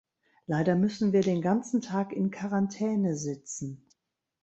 Leider müssen wir den ganzen Tag in Quarantäne sitzen.